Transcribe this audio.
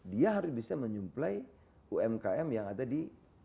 dia harus bisa menyuplai umkm yang ada di